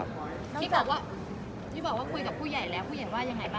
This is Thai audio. ที่บอกว่าที่บอกว่าคุยกับผู้ใหญ่แล้วผู้ใหญ่ว่ายังไงบ้าง